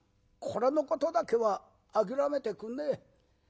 これのことだけは諦めてくんねえ。